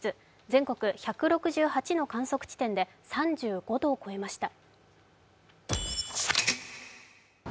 全国１６８の観測地点で３５度を超えました。